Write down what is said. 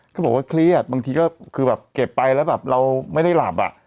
เขาบอกว่าเครียดบางทีก็เก็บไปแล้วเราไม่ได้หลับ